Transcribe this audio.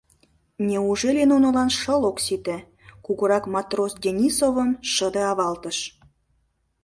Неужели нунылан шыл ок сите?» — кугурак матрос Денисовым шыде авалтыш.